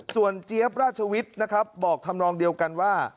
ส่วนเจี๊ยบราชวิทย์นะครับบอกทำนองเดียวกันว่า